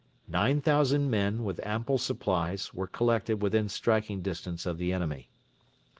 Nine thousand men, with ample supplies, were collected within striking distance of the enemy.